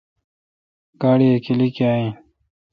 گاڑی اے کیلی کاں این۔